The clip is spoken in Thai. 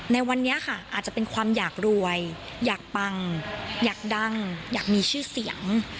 ในวันนี้ค่ะอาจจะเป็นความอยากรวยอยากปังอยากดังอยากมีชื่อเสียง